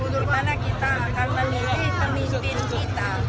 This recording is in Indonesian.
dimana kita akan memilih pemimpin kita